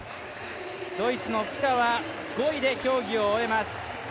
ドイツのフィタは５位で競技を終えます。